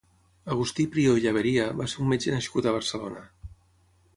Agustí Prió i Llaberia va ser un metge nascut a Barcelona.